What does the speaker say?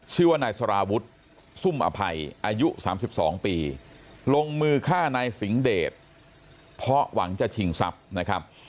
ชื่อว่านายสารวุฒิซุ่มอภัยอายุ๓๒ปีลงมือฆ่านายสิงเดชเพราะหวังจะชิงทรัพย์นะครับ